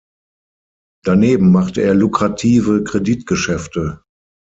Daneben machte er lukrative Kreditgeschäfte.